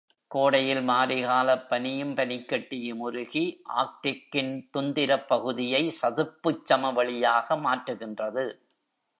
கோடையில் மாரிக்காலப் பனியும், பனிக்கட்டியும் உருகி ஆர்க்டிக்கின் துந்திரப் பகுதியை சதுப்புச் சமவெளியாக மாற்றுகின்றது.